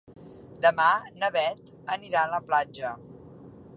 Demà na Beth anirà a la platja.